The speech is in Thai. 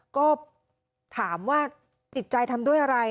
ก็ถามว่าจิตใจทำด้วยอะไร